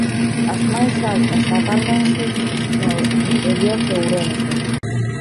As máis altas agárdanse no interior de Ourense.